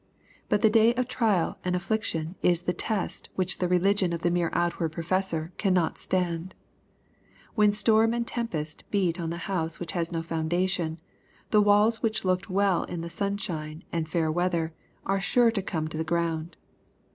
But the day of trial and affliction is the test which the religion of the mere outward professor cannot stand. When storm and tempest beat on the house which has no foundation, the waUB which looked well in sunshine and fair weather, are sure to come to the ground.